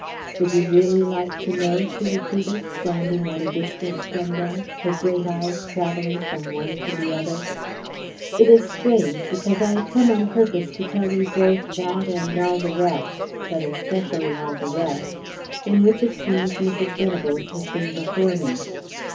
"Would you really like to know?" she repeated, standing at a distance from them, her great eyes travelling from one to the other. "It is strange, because I had come on purpose to tell you both that and all the rest but especially all the rest in which it seems Mrs. Venables has been before me."